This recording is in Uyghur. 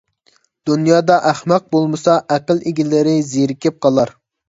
دۇنيادا ئەخمەق بولمىسا، ئەقىل ئىگىلىرى زېرىكىپ قالار.